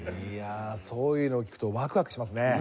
いやあそういうのを聞くとワクワクしますね。